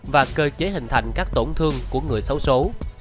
và cơ chế hình thành các tổn thương của người xấu xố